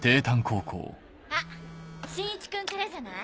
あっ新一君からじゃない？